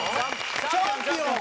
チャンピオン！